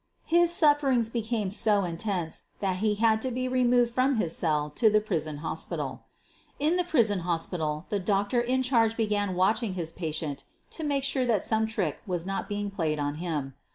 His sufferings became so intense that he had to be removed from his cell to the prison hospital. In the prison hospital the doctor in charge began i watching his patient to be sure that some trick was not being played on him.